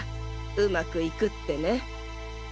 上手くいくってね。